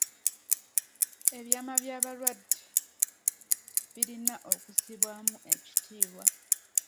Ebyama by'abalwadde birina okussibwamu ekitiibwa.